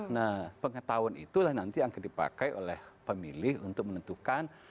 nah pengetahuan itulah nanti akan dipakai oleh pemilih untuk menentukan